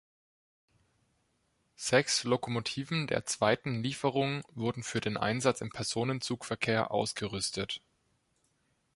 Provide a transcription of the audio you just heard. Sechs Lokomotiven der zweiten Lieferung wurden für den Einsatz im Personenzugverkehr ausgerüstet.